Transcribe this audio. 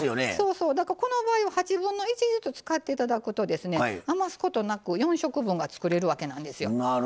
だから、この場合は８分の１ずつ使っていただくと余すことなく４食分作れるわけなんですよ。